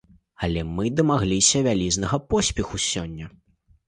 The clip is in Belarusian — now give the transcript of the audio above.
Але мы дамагліся вялізнага поспеху сёння!